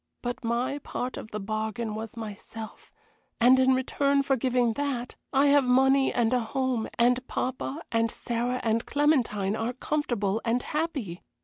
But my part of the bargain was myself, and in return for giving that I have money and a home, and papa and Sarah and Clementine are comfortable and happy.